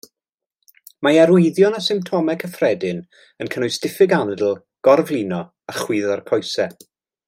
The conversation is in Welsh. Mae arwyddion a symptomau cyffredin yn cynnwys diffyg anadl, gorflino a chwyddo'r coesau.